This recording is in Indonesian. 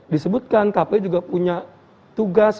disebutkan kpu juga punya tugas